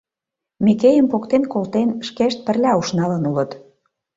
Микейым поктен колтен, шкешт пырля ушналын улыт.